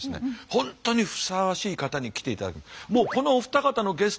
本当にふさわしい方に来ていただき。